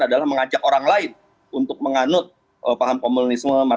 adalah mengajak orang lain untuk menganut paham komunisme